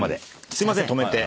すいません止めて。